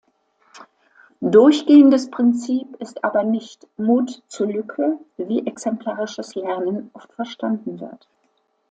Durchgehendes Prinzip ist aber nicht „Mut zur Lücke“, wie exemplarisches Lernen oft verstanden wird.